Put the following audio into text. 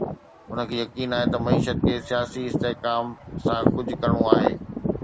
هن کي يقين آهي ته معيشت کي سياسي استحڪام سان ڪجهه ڪرڻو آهي.